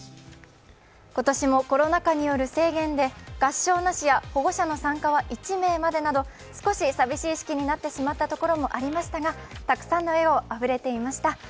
今年もコロナ禍による制限で合唱なしや保護者の参加は１名までなど、少し寂しい式になってしまったところもありましたが、たくさんの笑顔あふれていました。